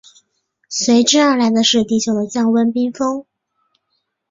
随之而来的是地球的降温冰封。